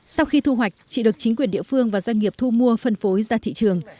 sau khi thu hoạch chị được chính quyền địa phương và doanh nghiệp thu mua phân phối ra thị trường